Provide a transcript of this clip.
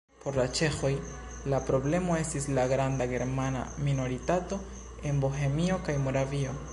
Por la ĉeĥoj la problemo estis la granda germana minoritato en Bohemio kaj Moravio.